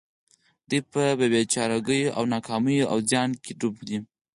دوی په بې چارګيو او ناکاميو او زيان کې ډوب دي.